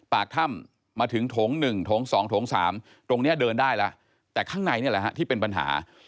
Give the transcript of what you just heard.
ปากถ้ำมาถึงโถง๑โถง๒โถง๓ตรงนี้เดินได้แล้วแต่ข้างในนี่แหละฮะที่เป็นปัญหา